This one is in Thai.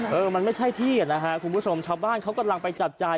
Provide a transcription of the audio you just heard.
เออมันไม่ใช่ที่อ่ะนะฮะคุณผู้ชมชาวบ้านเขากำลังไปจับจ่าย